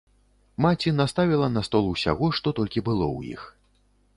Маці наставіла на стол усяго, што толькі было ў іх.